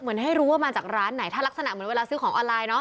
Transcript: ให้รู้ว่ามาจากร้านไหนถ้ารักษณะเหมือนเวลาซื้อของออนไลน์เนาะ